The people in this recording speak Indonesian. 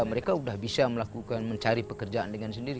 mereka sudah bisa melakukan mencari pekerjaan dengan sendiri